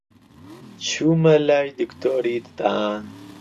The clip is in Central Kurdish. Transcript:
چوومە لای دکتۆری ددان